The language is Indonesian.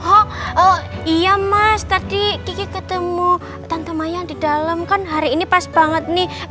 oh iya mas tadi gigi ketemu tante maya yang di dalem kan hari ini pas banget nih